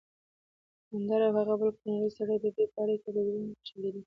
اندړ او هغه بل کونړی سړی ددوی په اړېکه د زړه نه خوشحاليدل